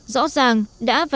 rõ ràng đã và đã được phát triển